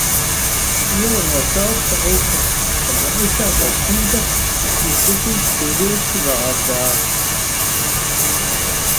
Iela nosaukta Ausmas – pagājušajā gadsimtā izplatīta sieviešu vārda – vārdā.